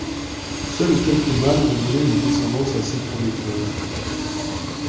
Seuls quelques mâles ont donné une descendance assez prometteuse.